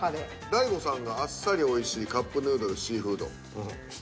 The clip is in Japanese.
大悟さんがあっさりおいしいカップヌードルシーフード。